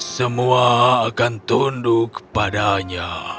semua akan tunduk kepadanya